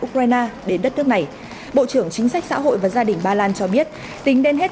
ukraine đến đất nước này bộ trưởng chính sách xã hội và gia đình ba lan cho biết tính đến hết